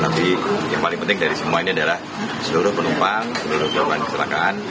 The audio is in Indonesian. tapi yang paling penting dari semua ini adalah seluruh penumpang seluruh korban kecelakaan